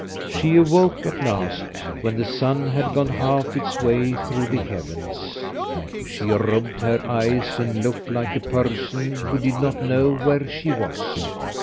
She awoke at last when the sun had gone half its way through the heavens. She rubbed her eyes and looked like a person who did not know where she was.